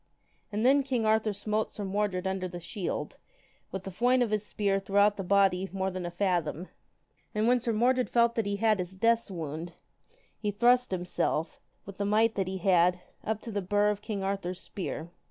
And then king Arthur smote Sir Mordred under the shield, with a foin of his spear throughout the body more than a fathom. And when Sir Mordred felt that he had his death's wound, he thrust himself, with the might that he had, up to the bur of king Arthur's spear.